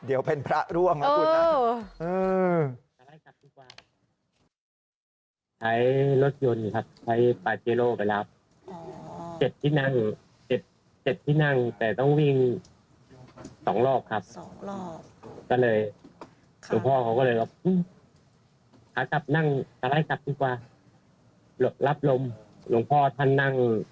เดี๋ยวเป็นพระร่วงนะคุณนะ